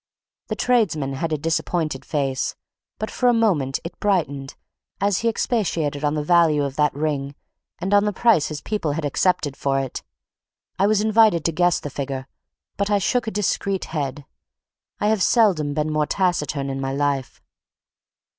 The tradesman had a disappointed face, but for a moment it brightened as he expatiated on the value of that ring and on the price his people had accepted for it. I was invited to guess the figure, but I shook a discreet head. I have seldom been more taciturn in my life.